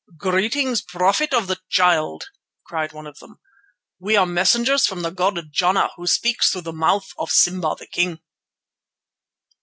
"Greeting, Prophets of the Child!" cried one of them. "We are messengers from the god Jana who speaks through the mouth of Simba the King."